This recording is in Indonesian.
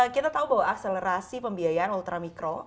kita tahu bahwa akselerasi pembiayaan ultra mikro